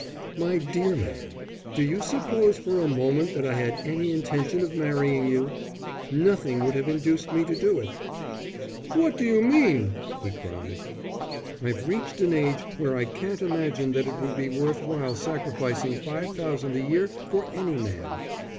"My dear man, do you suppose for a moment that I had any intention of marrying you? Nothing would have induced me to do it." "What do you mean?" he cried. "I've reached an age when I can't imagine that it would be worth while sacrificing five thousand a year for any man.